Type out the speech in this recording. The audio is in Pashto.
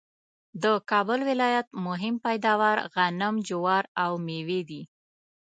د کابل ولایت مهم پیداوار غنم ،جوار ، او مېوې دي